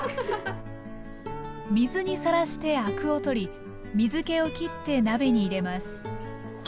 水にさらしてアクを取り水けをきって鍋に入れます